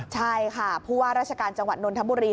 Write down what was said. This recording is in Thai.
ใช่ค่ะเพราะว่าราชการจังหวัดนนท์ธ้าบุรีฯ